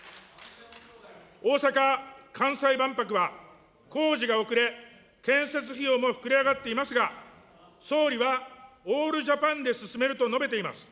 大阪・関西万博は工事が遅れ、建設費用も膨れ上がっていますが、総理はオールジャパンで進めると述べています。